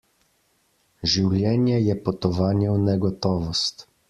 Življenje je potovanje v negotovost.